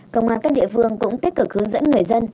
công an các địa phương cũng tích cực hướng dẫn người dân